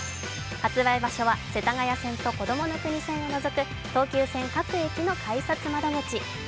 発売場所は世田谷線とこどもの国線を除く東急線各駅の改札窓口。